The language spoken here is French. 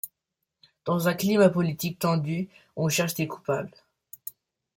Dans un climat politique tendu, on cherche des coupables.